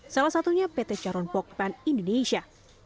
salah satunya pt caron pogpan indonesia